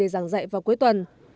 giảng dạy vào cuối tuần